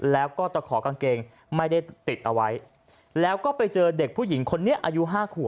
แล้วก็ตะขอกางเกงไม่ได้ติดเอาไว้แล้วก็ไปเจอเด็กผู้หญิงคนนี้อายุ๕ขวบ